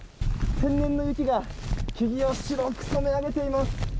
天然の雪が木々を白く染め上げています。